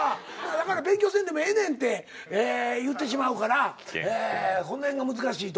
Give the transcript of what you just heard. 「だから勉強せんでもええねん」って言ってしまうからこの辺が難しいとこやけども。